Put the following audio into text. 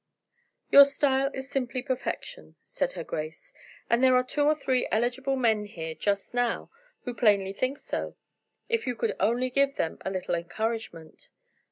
"Your style is simply perfection," said her grace, "and there are two or three eligible men here just now who plainly think so; if you could only give them a little encouragement."